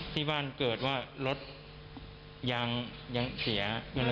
ที่บ้านเกิดว่ารถยังเสีย